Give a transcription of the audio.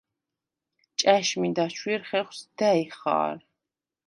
ჭა̈შმი დაჩუ̂ირ ხეხუ̂ს და̈ჲ ხა̄რ.